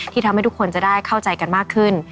ทำให้ทุกคนจะได้เข้าใจกันมากขึ้น